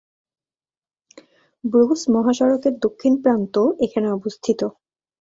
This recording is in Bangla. ব্রুস মহাসড়কের দক্ষিণ প্রান্তও এখানে অবস্থিত।